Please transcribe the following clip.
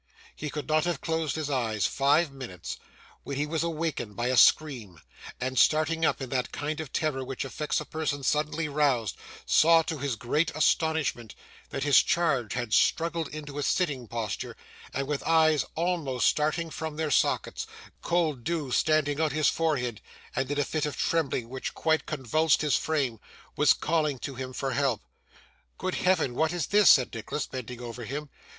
He could not have closed his eyes five minutes, when he was awakened by a scream, and starting up in that kind of terror which affects a person suddenly roused, saw, to his great astonishment, that his charge had struggled into a sitting posture, and with eyes almost starting from their sockets, cold dew standing on his forehead, and in a fit of trembling which quite convulsed his frame, was calling to him for help. 'Good Heaven, what is this?' said Nicholas, bending over him.